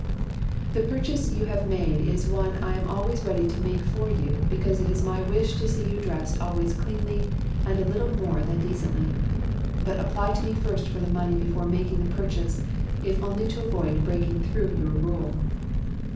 "The purchase you have made is one I am always ready to make for you because it is my wish to see you dressed always cleanly and a little more than decently; but apply to me first for the money before making the purchase, if only to avoid breaking through your rule.